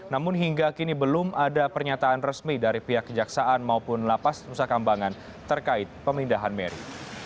namun hingga kini belum ada pernyataan resmi dari pihak kejaksaan maupun lapas nusa kambangan terkait pemindahan mary